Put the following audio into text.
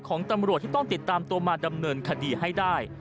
ของตำรวจที่ต้องติดตามตัวมาดำเนินคดีให้ได้